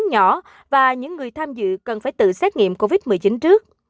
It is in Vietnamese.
nhỏ và những người tham dự cần phải tự xét nghiệm covid một mươi chín trước